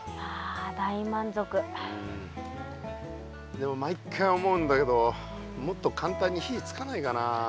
でも毎回思うんだけどもっとかんたんに火つかないかな。